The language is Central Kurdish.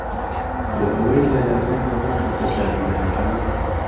بۆ ئهوهی لهلایهن ههموو کهسه کاریگهرهکان